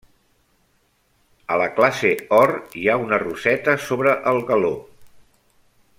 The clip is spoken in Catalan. A la classe Or hi ha una roseta sobre el galó.